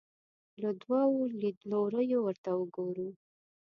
له دوو لیدلوریو ورته وګورو